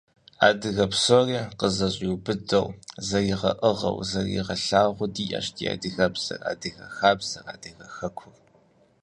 Адыгэ псори къызэщӀиубыдэу, зэригъэӀыгъыу, зэригъэлъагъуу диӀэщ ди адыгэбзэр, адыгэ хабзэр, адыгэ хэкур.